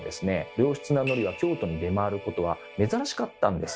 良質なのりは京都に出回ることは珍しかったんです。